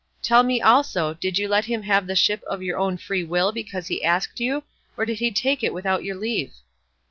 Tell me also, did you let him have the ship of your own free will because he asked you, or did he take it without your leave?"